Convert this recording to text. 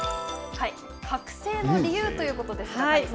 覚醒の理由ということですが、谷さん。